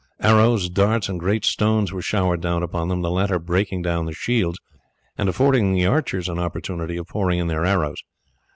Arrows, darts, and great stones were showered down upon them, the latter breaking down the shields, and affording the archers an opportunity of pouring in their arrows.